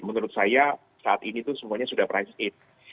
menurut saya saat ini itu semuanya sudah price in